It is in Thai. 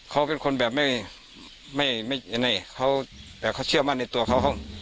เขาเป็นคนแบบไม่ไม่ยังไงเขาแต่เขาเชื่อมั่นในตัวเขาเขา